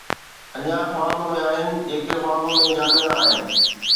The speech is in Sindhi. اڃا خواب ۾ آهن، جيڪي خواب ۾ جاڳندا آهن